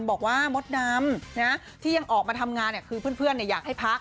มดดำที่ยังออกมาทำงานคือเพื่อนอยากให้พัก